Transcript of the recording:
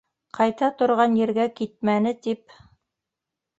Ҡайта торған ергә китмәне тип